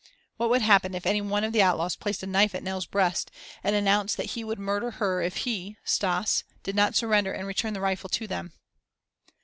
What would happen if any one of the outlaws placed a knife at Nell's breast, and announced that he would murder her if he Stas did not surrender and return the rifle to them.